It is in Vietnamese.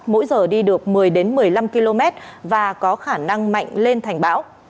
mỗi giờ đi được một mươi một mươi năm km và có khả năng mạnh lên thành bão